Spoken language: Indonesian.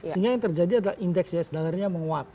sehingga yang terjadi adalah indeks ihsg menguat